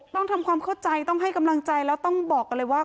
ต้องทำความเข้าใจต้องให้กำลังใจแล้วต้องบอกกันเลยว่า